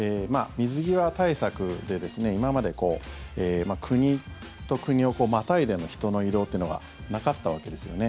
水際対策で今まで国と国をまたいでの人の移動ってのがなかったわけですよね。